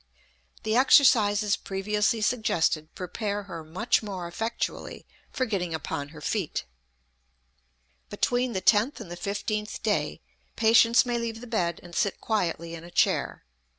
The exercises previously suggested prepare her much more effectually for getting upon her feet. Between the tenth and the fifteenth day patients may leave the bed and sit quietly in a chair.